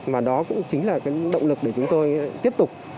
và đó cũng chính là động lực để chúng tôi tiếp tục